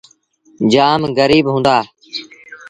جآم گريٚب هُݩدآ۔